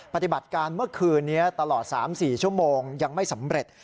ปฏิบัติการเมื่อคืนนี้ตลอด๓๔ชั่วโมงยังไม่สำเร็จ